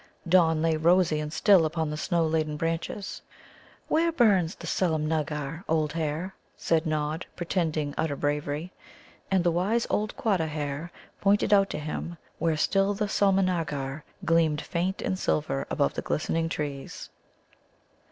Dawn lay rosy and still upon the snow laden branches. "Where burns the Sulemnāgar, old hare?" said Nod, pretending utter bravery. And the wise old Quatta hare pointed out to him where still the Sulemnāgar gleamed faint and silver above the glistening trees.